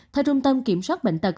theo trung tâm kiểm soát bệnh tật